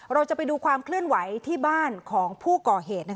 เราจะไปดูความเคลื่อนไหวที่บ้านของผู้ก่อเหตุ